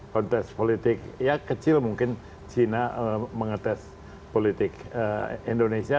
kontes politik ya kecil mungkin cina mengetes politik indonesia